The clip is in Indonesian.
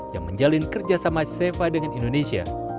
yang menjalin kerjasama seva dengan indonesia